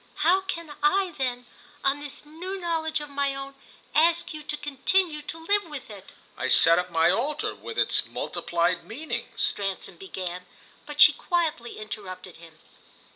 "How can I then, on this new knowledge of my own, ask you to continue to live with it?" "I set up my altar, with its multiplied meanings," Stransom began; but she quietly interrupted him.